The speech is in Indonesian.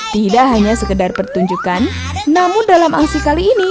tidak hanya sekedar pertunjukan namun dalam aksi kali ini